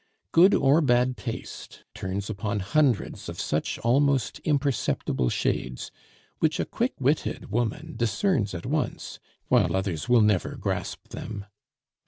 Good or bad taste turns upon hundreds of such almost imperceptible shades, which a quick witted woman discerns at once, while others will never grasp them.